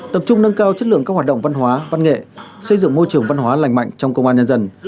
tập trung nâng cao chất lượng các hoạt động văn hóa văn nghệ xây dựng môi trường văn hóa lành mạnh trong công an nhân dân